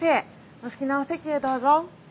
お好きなお席へどうぞ。